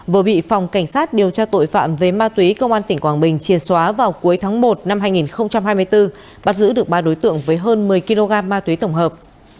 vừa bị phòng cảnh sát điều tra tội phạm về ma túy công an tỉnh quảng bình chia xóa vào cuối tháng một năm hai nghìn hai mươi bốn bắt giữ được ba đối tượng với hơn một mươi kg ma túy tổng hợp